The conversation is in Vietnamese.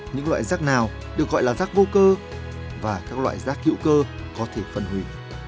những loại rác nào được gọi là rác vô cơ và các loại rác hữu cơ có thể phân hủy